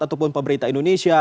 ataupun pemerintah indonesia